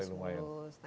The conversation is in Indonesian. ya sudah mulai lumayan